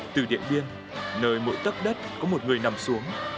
từ điện biên nơi mỗi tấc đất có một người nằm xuống